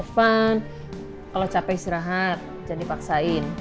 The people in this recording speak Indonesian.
fun kalau capek istirahat jangan dipaksain